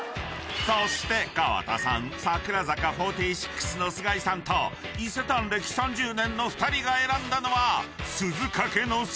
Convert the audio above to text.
［そして川田さん「櫻坂４６」の菅井さんと伊勢丹歴３０年の２人が選んだのは］